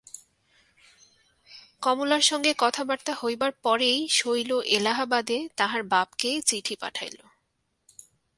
কমলার সঙ্গে কথাবার্তা হইবার পরেই শৈল এলাহাবাদে তাহার বাপকে চিঠি পাঠাইল।